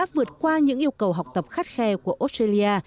vượt qua những yêu cầu học tập khắt khe của australia